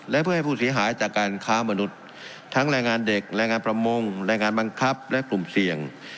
และเพื่อให้ผู้เสียหายจากการค้ามนุษย์ทั้งแรงงานเด็กแรงงานประมงแรงงานบังคับและกลุ่มเสี่ยง